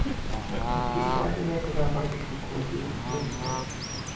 Někdy uváděné podávání glukózy je mýtem.